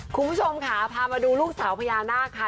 คุณผู้ชมค่ะพามาดูลูกสาวพญานาคค่ะ